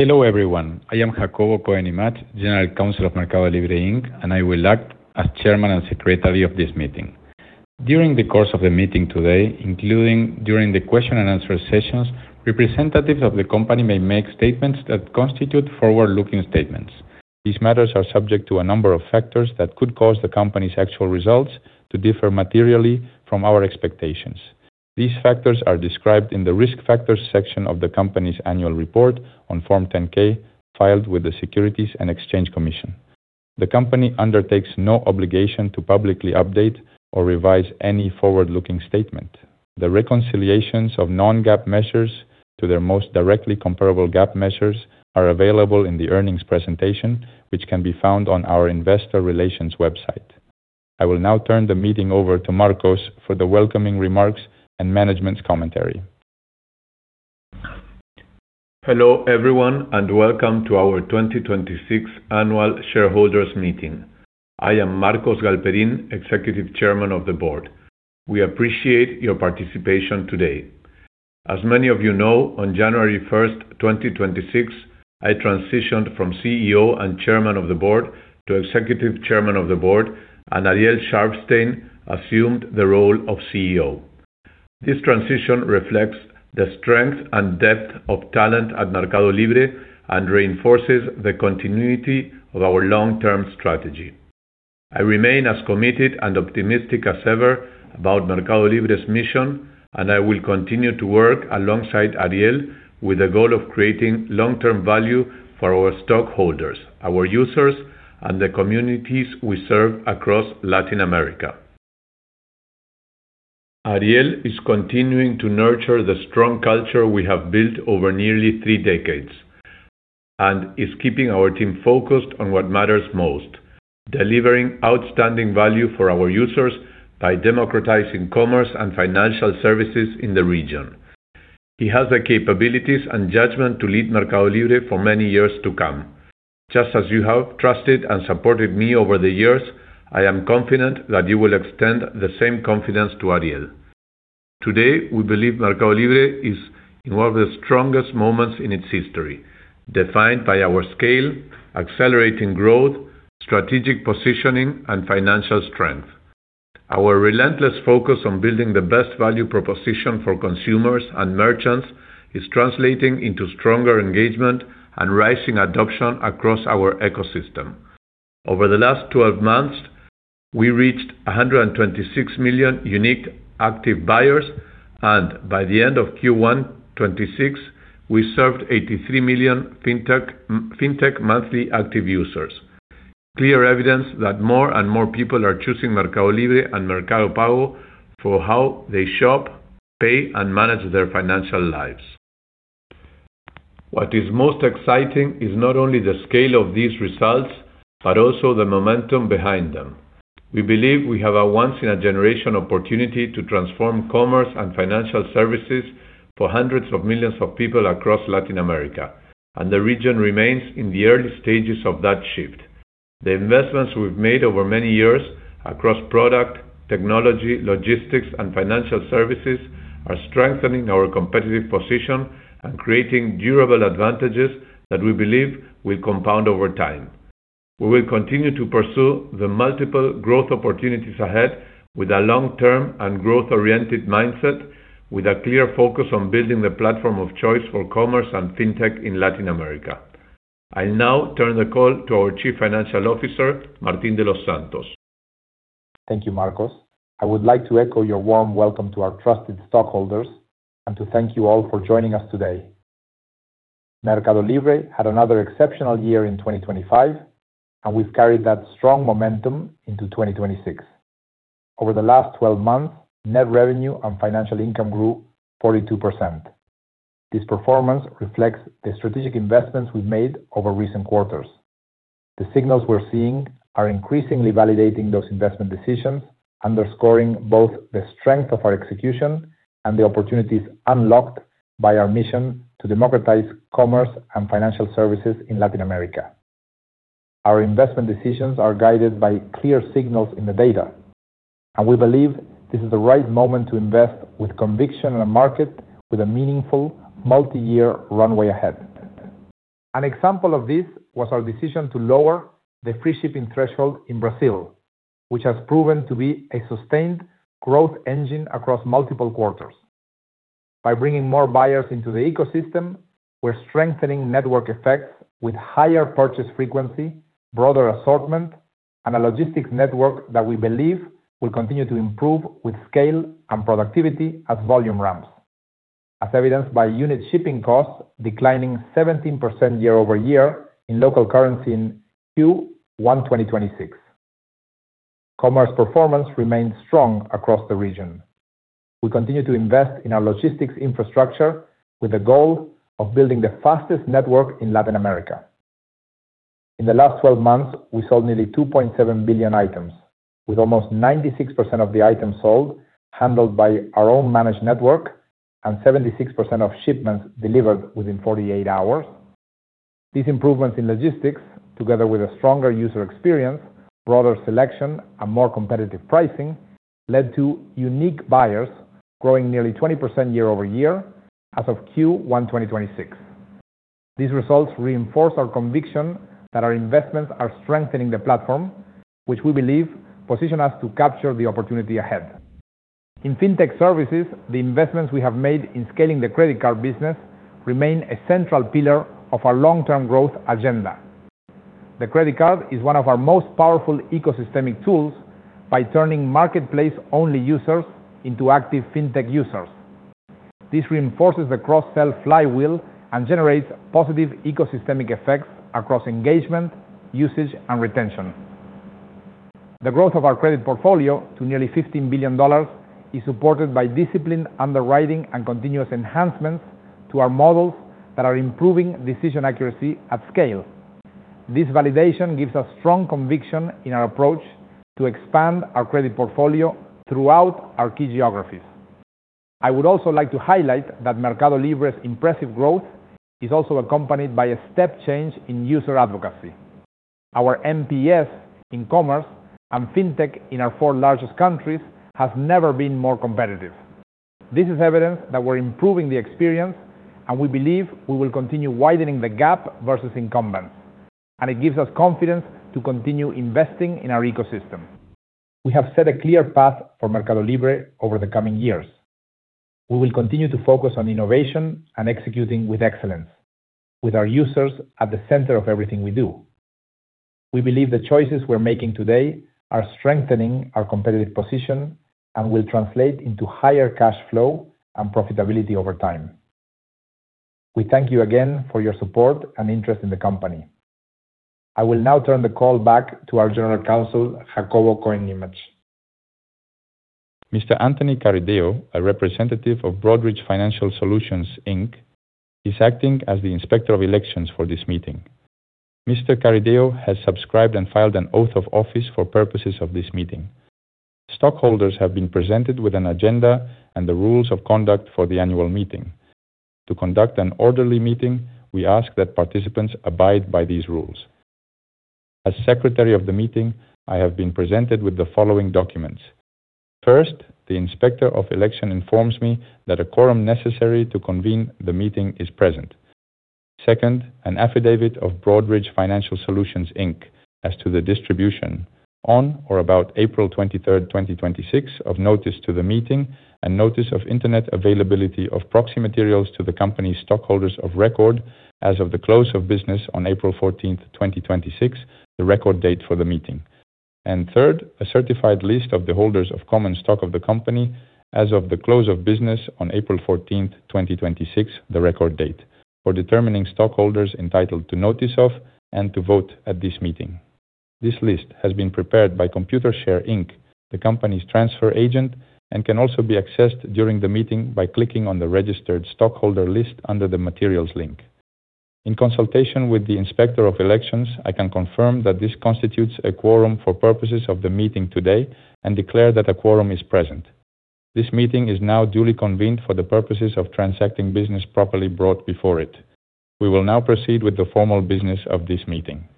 Hello, everyone. I am Jacobo Cohen Imach, General Counsel of MercadoLibre, Inc., and I will act as Chairman and Secretary of this meeting. During the course of the meeting today, including during the question and answer sessions, representatives of the company may make statements that constitute forward-looking statements. These matters are subject to a number of factors that could cause the company's actual results to differ materially from our expectations. These factors are described in the Risk Factors section of the company's annual report on Form 10-K, filed with the Securities and Exchange Commission. The company undertakes no obligation to publicly update or revise any forward-looking statement. The reconciliations of non-GAAP measures to their most directly comparable GAAP measures are available in the earnings presentation, which can be found on our investor relations website. I will now turn the meeting over to Marcos for the welcoming remarks and management's commentary. Hello, everyone, and welcome to our 2026 Annual Shareholders Meeting. I am Marcos Galperin, Executive Chairman of the Board. We appreciate your participation today. As many of you know, on January 1st, 2026, I transitioned from CEO and Chairman of the Board to Executive Chairman of the Board, and Ariel Szarfsztejn assumed the role of CEO. This transition reflects the strength and depth of talent at MercadoLibre and reinforces the continuity of our long-term strategy. I remain as committed and optimistic as ever about MercadoLibre's mission, and I will continue to work alongside Ariel with the goal of creating long-term value for our stockholders, our users, and the communities we serve across Latin America. Ariel is continuing to nurture the strong culture we have built over nearly three decades and is keeping our team focused on what matters most, delivering outstanding value for our users by democratizing commerce and financial services in the region. He has the capabilities and judgment to lead MercadoLibre for many years to come. Just as you have trusted and supported me over the years, I am confident that you will extend the same confidence to Ariel. Today, we believe MercadoLibre is in one of the strongest moments in its history, defined by our scale, accelerating growth, strategic positioning, and financial strength. Our relentless focus on building the best value proposition for consumers and merchants is translating into stronger engagement and rising adoption across our ecosystem. Over the last 12 months, we reached 126 million unique active buyers, and by the end of Q1 2026, we served 83 million fintech monthly active users. Clear evidence that more and more people are choosing MercadoLibre and Mercado Pago for how they shop, pay, and manage their financial lives. What is most exciting is not only the scale of these results, but also the momentum behind them. We believe we have a once-in-a-generation opportunity to transform commerce and financial services for hundreds of millions of people across Latin America, and the region remains in the early stages of that shift. The investments we've made over many years across product, technology, logistics, and financial services are strengthening our competitive position and creating durable advantages that we believe will compound over time. We will continue to pursue the multiple growth opportunities ahead with a long-term and growth-oriented mindset, with a clear focus on building the platform of choice for commerce and fintech in Latin America. I will now turn the call to our Chief Financial Officer, Martín de los Santos. Thank you, Marcos. I would like to echo your warm welcome to our trusted stockholders and to thank you all for joining us today. MercadoLibre had another exceptional year in 2025. We have carried that strong momentum into 2026. Over the last 12 months, net revenue and financial income grew 42%. This performance reflects the strategic investments we have made over recent quarters. The signals we are seeing are increasingly validating those investment decisions, underscoring both the strength of our execution and the opportunities unlocked by our mission to democratize commerce and financial services in Latin America. Our investment decisions are guided by clear signals in the data. We believe this is the right moment to invest with conviction in a market with a meaningful multi-year runway ahead. An example of this was our decision to lower the free shipping threshold in Brazil, which has proven to be a sustained growth engine across multiple quarters. By bringing more buyers into the ecosystem, we are strengthening network effects with higher purchase frequency, broader assortment, and a logistics network that we believe will continue to improve with scale and productivity as volume ramps, as evidenced by unit shipping costs declining 17% year-over-year in local currency in Q1 2026. Commerce performance remains strong across the region. We continue to invest in our logistics infrastructure with the goal of building the fastest network in Latin America. In the last 12 months, we sold nearly 2.7 billion items, with almost 96% of the items sold handled by our own managed network and 76% of shipments delivered within 48 hours. These improvements in logistics, together with a stronger user experience, broader selection, and more competitive pricing led to unique buyers growing nearly 20% year-over-year as of Q1 2026. These results reinforce our conviction that our investments are strengthening the platform, which we believe position us to capture the opportunity ahead. In fintech services, the investments we have made in scaling the credit card business remain a central pillar of our long-term growth agenda. The credit card is one of our most powerful ecosystemic tools by turning marketplace-only users into active fintech users. This reinforces the cross-sell flywheel and generates positive ecosystemic effects across engagement, usage, and retention. The growth of our credit portfolio to nearly $15 billion is supported by disciplined underwriting and continuous enhancements to our models that are improving decision accuracy at scale. This validation gives us strong conviction in our approach to expand our credit portfolio throughout our key geographies. I would also like to highlight that MercadoLibre's impressive growth is also accompanied by a step change in user advocacy. Our NPS in commerce and fintech in our four largest countries has never been more competitive. This is evidence that we're improving the experience, and we believe we will continue widening the gap versus incumbents, and it gives us confidence to continue investing in our ecosystem. We have set a clear path for MercadoLibre over the coming years. We will continue to focus on innovation and executing with excellence, with our users at the center of everything we do. We believe the choices we're making today are strengthening our competitive position and will translate into higher cash flow and profitability over time. We thank you again for your support and interest in the company. I will now turn the call back to our General Counsel, Jacobo Cohen Imach. Mr. Anthony Carideo, a representative of Broadridge Financial Solutions, Inc., is acting as the Inspector of Elections for this meeting. Mr. Carideo has subscribed and filed an oath of office for purposes of this meeting. Stockholders have been presented with an agenda and the rules of conduct for the annual meeting. To conduct an orderly meeting, we ask that participants abide by these rules. As Secretary of the Meeting, I have been presented with the following documents. First, the Inspector of Elections informs me that a quorum necessary to convene the meeting is present. Second, an affidavit of Broadridge Financial Solutions, Inc. as to the distribution on or about April 23rd, 2026, of notice to the meeting and notice of internet availability of proxy materials to the company's stockholders of record as of the close of business on April 14th, 2026, the record date for the meeting. Third, a certified list of the holders of common stock of the company as of the close of business on April 14th, 2026, the record date, for determining stockholders entitled to notice of and to vote at this meeting. This list has been prepared by Computershare Inc., the company's transfer agent, and can also be accessed during the meeting by clicking on the registered stockholder list under the materials link. In consultation with the Inspector of Elections, I can confirm that this constitutes a quorum for purposes of the meeting today and declare that a quorum is present. This meeting is now duly convened for the purposes of transacting business properly brought before it. We will now proceed with the formal business of this meeting.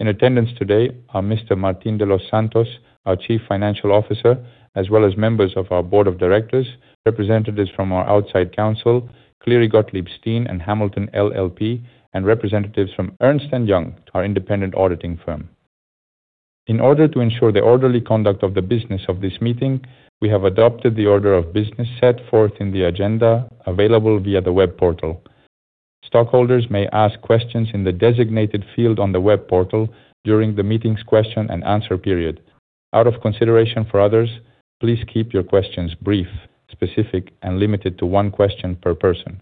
In attendance today are Mr. Martín de los Santos, our Chief Financial Officer, as well as members of our Board of Directors, representatives from our outside counsel, Cleary Gottlieb Steen & Hamilton LLP, and representatives from Ernst & Young, our independent auditing firm. In order to ensure the orderly conduct of the business of this meeting, we have adopted the order of business set forth in the agenda available via the web portal. Stockholders may ask questions in the designated field on the web portal during the meeting's question and answer period. Out of consideration for others, please keep your questions brief, specific and limited to one question per person.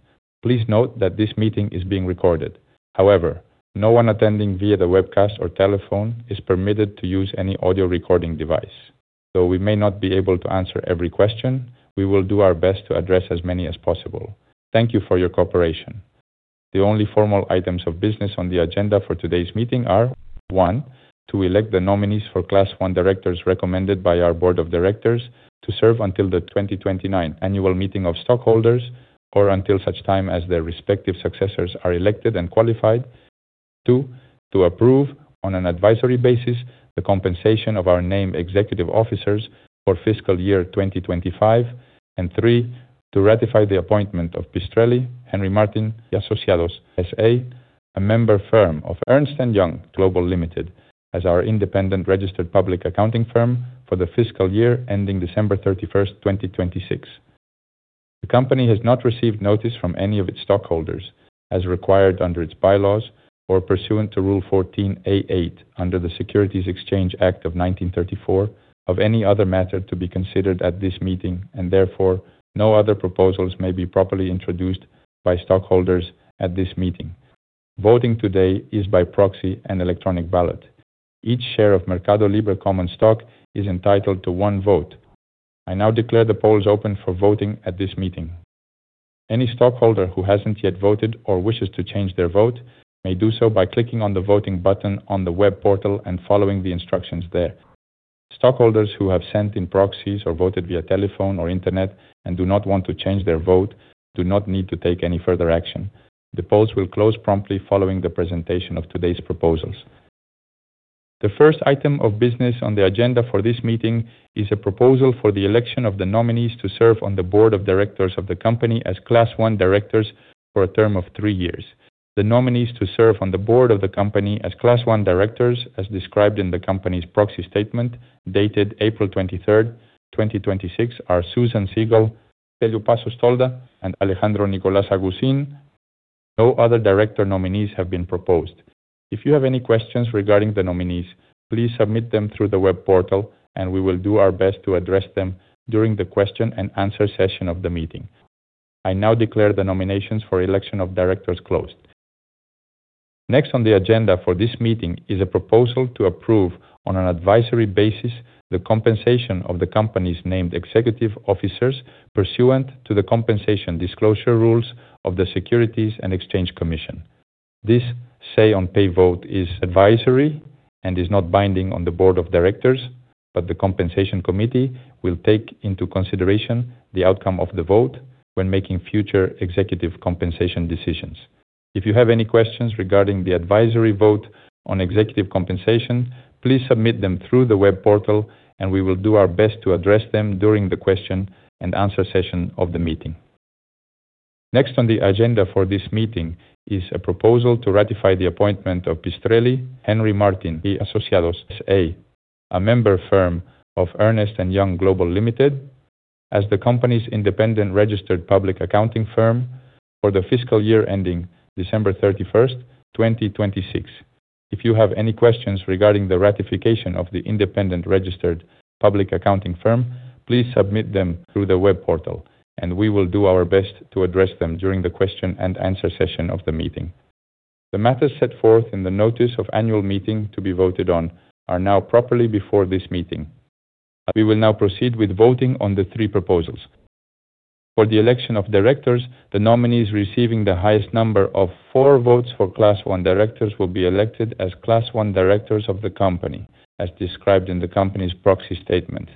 Please note that this meeting is being recorded. However, no one attending via the webcast or telephone is permitted to use any audio recording device. Though we may not be able to answer every question, we will do our best to address as many as possible. Thank you for your cooperation. The only formal items of business on the agenda for today's meeting are, one, to elect the nominees for Class I directors recommended by our Board of Directors to serve until the 2029 annual meeting of stockholders, or until such time as their respective successors are elected and qualified. Two, to approve on an advisory basis the compensation of our named executive officers for fiscal year 2025. Three, to ratify the appointment of Pistrelli, Henry Martin y Asociados S.A., a member firm of Ernst & Young Global Limited, as our independent registered public accounting firm for the fiscal year ending December 31st, 2026. The company has not received notice from any of its stockholders, as required under its bylaws or pursuant to Rule 14a-8 under the Securities Exchange Act of 1934, of any other matter to be considered at this meeting. Therefore, no other proposals may be properly introduced by stockholders at this meeting. Voting today is by proxy and electronic ballot. Each share of MercadoLibre common stock is entitled to one vote. I now declare the polls open for voting at this meeting. Any stockholder who hasn't yet voted or wishes to change their vote may do so by clicking on the voting button on the web portal and following the instructions there. Stockholders who have sent in proxies or voted via telephone or internet and do not want to change their vote do not need to take any further action. The polls will close promptly following the presentation of today's proposals. The first item of business on the agenda for this meeting is a proposal for the election of the nominees to serve on the board of directors of the company as Class I directors for a term of three years. The nominees to serve on the board of the company as Class I directors, as described in the company's proxy statement dated April 23rd, 2026, are Susan Segal, Stelleo Passos Tolda, and Alejandro Nicolás Aguzin. No other director nominees have been proposed. If you have any questions regarding the nominees, please submit them through the web portal, and we will do our best to address them during the question and answer session of the meeting. I now declare the nominations for election of directors closed. Next on the agenda for this meeting is a proposal to approve on an advisory basis the compensation of the company's named executive officers pursuant to the compensation disclosure rules of the Securities and Exchange Commission. This say on pay vote is advisory and is not binding on the board of directors, but the compensation committee will take into consideration the outcome of the vote when making future executive compensation decisions. If you have any questions regarding the advisory vote on executive compensation, please submit them through the web portal, and we will do our best to address them during the question and answer session of the meeting. Next on the agenda for this meeting is a proposal to ratify the appointment of Pistrelli, Henry Martin y Asociados S.A., a member firm of Ernst & Young Global Limited, as the company's independent registered public accounting firm for the fiscal year ending December 31st, 2026. If you have any questions regarding the ratification of the independent registered public accounting firm, please submit them through the web portal, and we will do our best to address them during the question and answer session of the meeting. The matters set forth in the notice of annual meeting to be voted on are now properly before this meeting. We will now proceed with voting on the three proposals. For the election of directors, the nominees receiving the highest number of four votes for Class I directors will be elected as Class I directors of the company, as described in the company's proxy statement.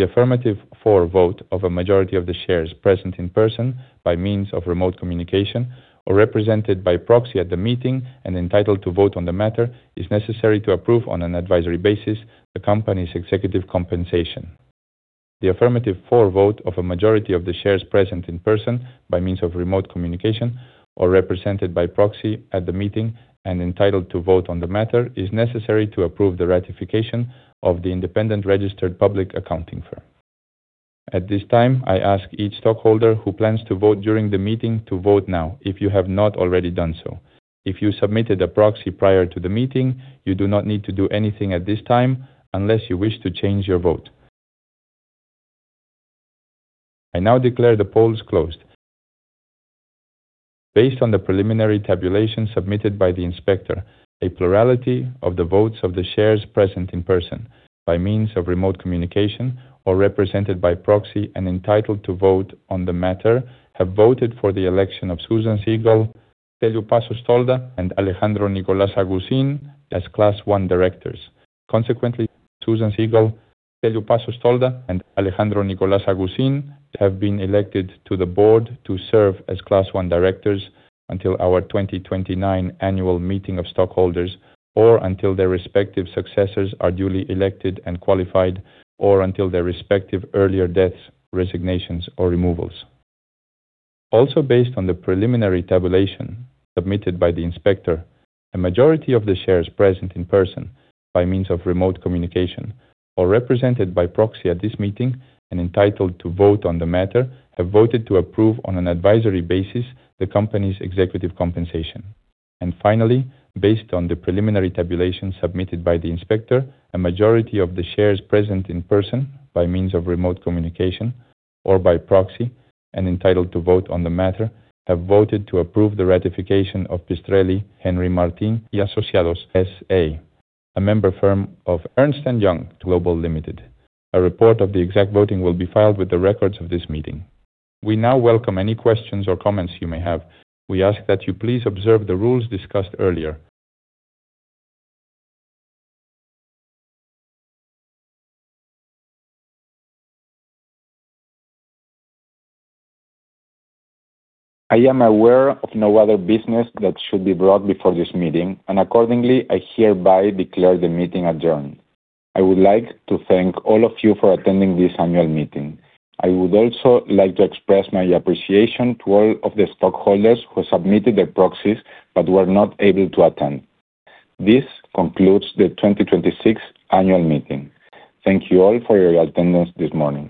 The affirmative for vote of a majority of the shares present in person by means of remote communication or represented by proxy at the meeting and entitled to vote on the matter is necessary to approve on an advisory basis the company's executive compensation. The affirmative for vote of a majority of the shares present in person by means of remote communication or represented by proxy at the meeting and entitled to vote on the matter is necessary to approve the ratification of the independent registered public accounting firm. At this time, I ask each stockholder who plans to vote during the meeting to vote now if you have not already done so. If you submitted a proxy prior to the meeting, you do not need to do anything at this time unless you wish to change your vote. I now declare the polls closed. Based on the preliminary tabulation submitted by the inspector, a plurality of the votes of the shares present in person by means of remote communication or represented by proxy and entitled to vote on the matter have voted for the election of Susan Segal, Stelleo Passos Tolda, and Alejandro Nicolás Aguzin as Class I directors. Consequently, Susan Segal, Stelleo Passos Tolda, and Alejandro Nicolás Aguzin have been elected to the board to serve as Class I directors until our 2029 annual meeting of stockholders or until their respective successors are duly elected and qualified, or until their respective earlier deaths, resignations, or removals. Also based on the preliminary tabulation submitted by the inspector, a majority of the shares present in person by means of remote communication or represented by proxy at this meeting and entitled to vote on the matter have voted to approve on an advisory basis the company's executive compensation. Finally, based on the preliminary tabulation submitted by the inspector, a majority of the shares present in person by means of remote communication or by proxy and entitled to vote on the matter have voted to approve the ratification of Pistrelli, Henry Martin y Asociados S.A., a member firm of Ernst & Young Global Limited. A report of the exact voting will be filed with the records of this meeting. We now welcome any questions or comments you may have. We ask that you please observe the rules discussed earlier. I am aware of no other business that should be brought before this meeting, and accordingly, I hereby declare the meeting adjourned. I would like to thank all of you for attending this annual meeting. I would also like to express my appreciation to all of the stockholders who submitted their proxies but were not able to attend. This concludes the 2026 annual meeting. Thank you all for your attendance this morning.